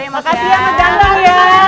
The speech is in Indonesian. makasih ya mas ganjar ya